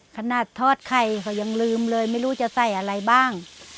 ทอดไข่เขายังลืมเลยไม่รู้จะใส่อะไรบ้าง